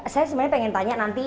saya sebenarnya pengen tanya nanti